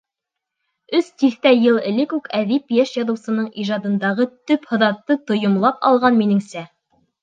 Өс тиҫтә йыл элек үк әҙип йәш яҙыусының ижадындағы төп һыҙатты тойомлап алған, минеңсә.